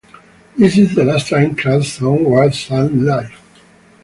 This is the last time Crass songs were sung live.